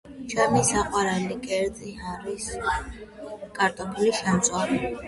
ჩემი საყვარელი კერძი არის კარტოფილი შემწვარი.